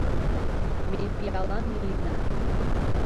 Ме пиалан лийына.